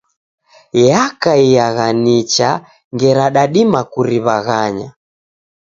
Yakaiagha nicha ngera dadima kuriw'aghanya.